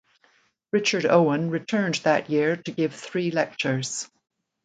Richard Owen returned that year to give three lectures.